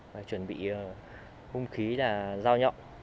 và chuẩn bị hung khí là giao nhọc